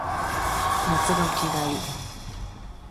夏が嫌い